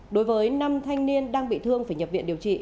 đối với năm thanh niên đang bị thương phải nhập viện điều trị